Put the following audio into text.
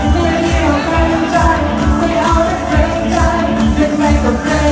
ไม่ดีกว่าเกรงใจไม่เอาและเกรงใจ